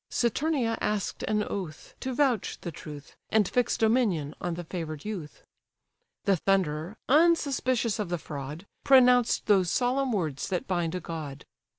Saturnia ask'd an oath, to vouch the truth, And fix dominion on the favour'd youth. The Thunderer, unsuspicious of the fraud, Pronounced those solemn words that bind a god.